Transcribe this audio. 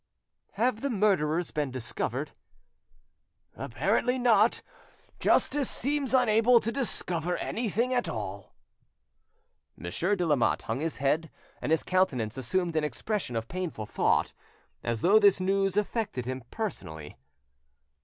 "Have the murderers been discovered?" "Apparently not; justice seems unable to discover anything at all." Monsieur de Lamotte hung his head, and his countenance assumed an expression of painful thought, as though this news affected him personally.